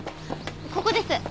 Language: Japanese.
ここです！